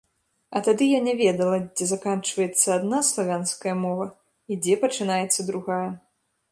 А тады я не ведала, дзе заканчваецца адна славянская мова, і дзе пачынаецца другая.